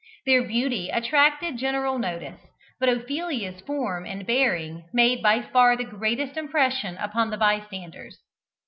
Their beauty attracted general notice, but Ophelia's form and bearing made by far the greatest impression upon the bystanders.